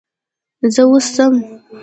زه اوس ځم .